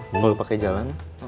kalau pakai jalan